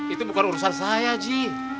itu bukan urusan saya ji